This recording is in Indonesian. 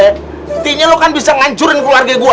intinya lo kan bisa ngancurin keluarga gue